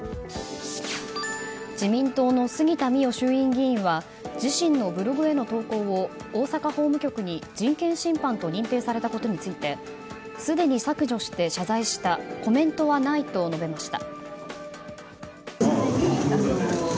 自民党の杉田水脈衆院議員は自身のブログへの投稿を大阪法務局に人権侵犯と認定されたことについてすでに削除して謝罪したコメントはないと述べました。